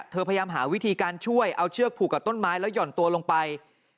พยายามหาวิธีการช่วยเอาเชือกผูกกับต้นไม้แล้วห่อนตัวลงไป